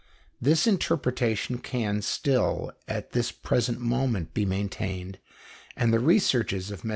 This interpretation can still, at this present moment, be maintained, and the researches of MM.